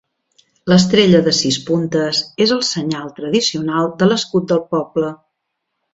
L'estrella de sis puntes és el senyal tradicional de l'escut del poble.